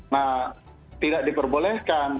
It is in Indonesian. nah tidak diperbolehkan